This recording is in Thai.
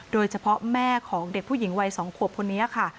แม่ของเด็กผู้หญิงวัย๒ขวบคนนี้ค่ะ